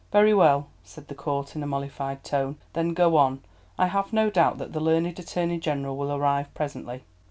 "Very well," said the Court in a mollified tone, "then go on! I have no doubt that the learned Attorney General will arrive presently."